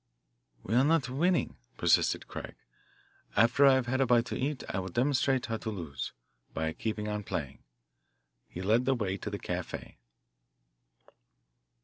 "We are not winning," persisted Craig. "After I have had a bite to eat I will demonstrate how to lose by keeping on playing." He led the way to the cafe.